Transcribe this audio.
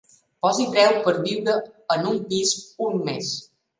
Posi preu per viure en un pis un mes.